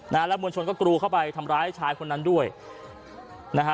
นะฮะแล้วมวลชนก็กรูเข้าไปทำร้ายชายคนนั้นด้วยนะฮะ